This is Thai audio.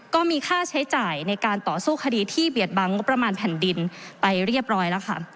ก็มีค่าใช้จ่ายในการต่อสู้คดีที่เบียดบังงบประมาณแผ่นดินไปเรียบร้อยแล้วค่ะ